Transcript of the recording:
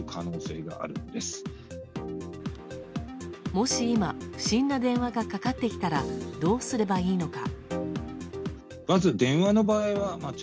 もし今不審な電話がかかってきたらどうすればいいのか。